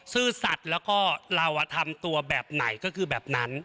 ซื่อสัตว์แล้วก็เราทำตัวแบบไหนก็คือแบบนั้น